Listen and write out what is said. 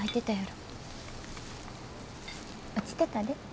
落ちてたで。